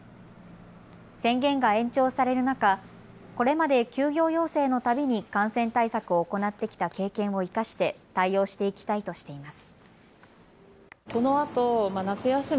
宣言が延長される中、これまで休業要請のたびに感染対策を行ってきた経験を生かして、対応していきたいとしています。